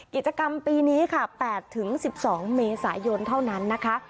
กิจกรรมปีนี้ค่ะ๘๑๒เมษายนเท่านั้นนะคะ